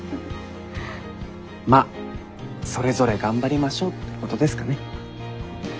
まあそれぞれ頑張りましょうってことですかね。